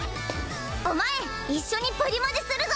お前一緒にプリマジするぞ！